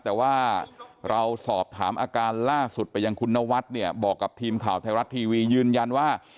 แต่ว่าเราสอบถามอาการล่าสุดไปยังคุณนวัดเนี่ยบอกกับทีมข่าวไทยรัฐทีวียืนยันว่า